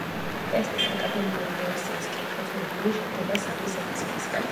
ტესტის აკადემიური ვერსიის კითხვის მოდული შედგება სამი სექციისგან.